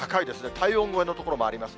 体温超えの所もあります。